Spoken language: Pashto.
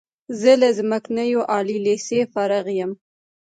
زه له څمکنیو عالی لیسې فارغ یم.